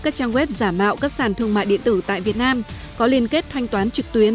các trang web giả mạo các sản thương mại điện tử tại việt nam có liên kết thanh toán trực tuyến